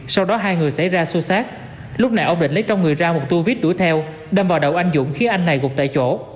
sau đó hai người xảy ra xô xát lúc nãy ông định lấy trong người ra một tua viết đuổi theo đâm vào đầu anh dũng khiến anh này gục tại chỗ